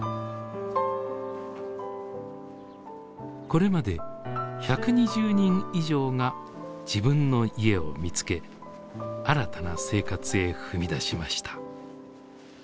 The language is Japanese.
これまで１２０人以上が自分の家を見つけ新たな生活へ踏み出しました。